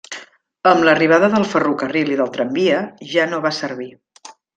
Amb l'arribada del ferrocarril i del tramvia, ja no va servir.